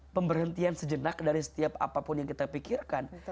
pemberhentian sejenak dari setiap apapun yang kita pikirkan